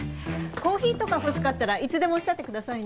コーヒーとか欲しかったらいつでもおっしゃってくださいね。